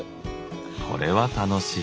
これは楽しい。